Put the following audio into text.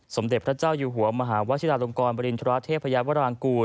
สมเด็จพระเจ้าอยู่หัวมหาวชิลาลงกรบริณฑราเทพยาวรางกูล